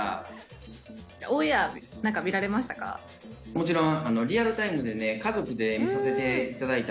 もちろん。